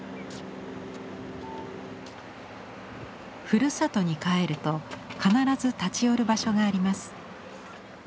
ふるさとに帰ると必ず立ち寄る場所があります。